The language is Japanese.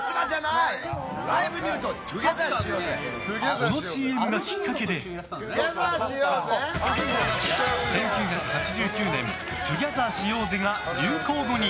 このＣＭがきっかけで１９８９年「トゥギャザーしようぜ」が流行語に。